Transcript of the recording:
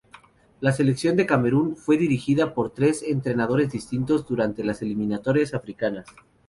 La selección de Camerún fue dirigida por tres entrenadores distintos durante las eliminatorias africanas.